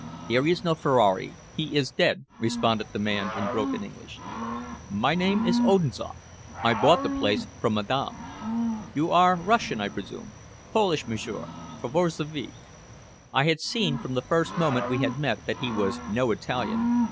"There is no Ferrari, he is dead," responded the man in broken English. "My name is Odinzoff. I bought the place from madame." "You are Russian, I presume?" "Polish, m'sieur from Varsovie." I had seen from the first moment we had met that he was no Italian.